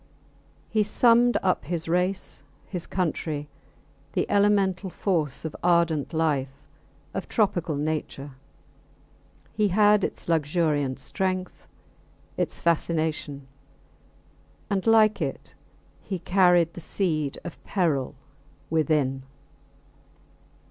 He summed up his race, his country, the elemental force of ardent life, of tropical nature. He had its luxuriant strength, its fascination; and, like it, he carried the seed of peril within.